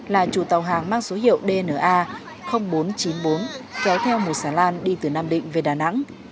là chủ tàu hàng mang số hiệu dna bốn trăm chín mươi bốn kéo theo một xà lan đi từ nam định về đà nẵng